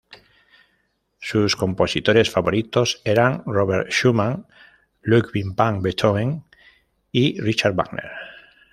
Sus compositores favoritos eran Robert Schumann, Ludwig van Beethoven y Richard Wagner.